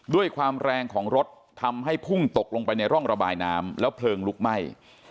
ด้วยความแรงของรถทำให้พุ่งตกลงไปในร่องระบายน้ำแล้วเพลิงลุกไหม้